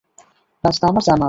রাস্তা আমার জানা আছে।